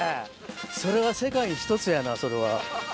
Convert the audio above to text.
それは世界に１つやなそれは。